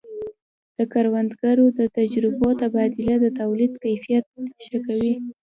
د کروندګرو د تجربو تبادله د تولید کیفیت ښه کوي.